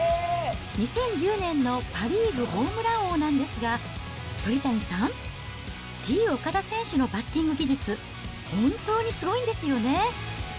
２０１０年のパ・リーグホームラン王なんですが、鳥谷さん、Ｔー岡田選手のバッティング技術、本当にすごいんですよね。